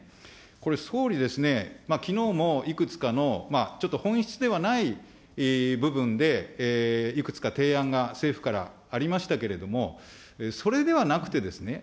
これ総理ですね、きのうもいくつかのちょっと本質ではない部分で、いくつか提案が政府からありましたけれども、それではなくてですね、